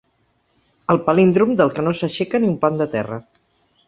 El palíndrom del que no s'aixeca ni un pam de terra.